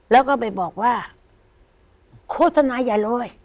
แล้วก็ไปบอกว่าโฆษณาอย่าเลย